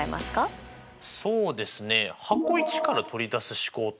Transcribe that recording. そうですね。